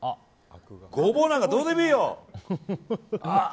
ゴボウなんかどうでもいいよ！